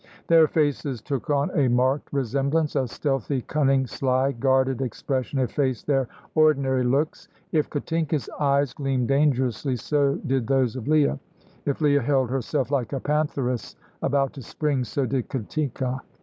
Their faces took on a marked resemblance; a stealthy, cunning, sly, guarded expression effaced their ordinary looks. If Katinka's eyes gleamed dangerously, so did those of Leah; if Leah held herself like a pantheress about to spring, so did Katinka.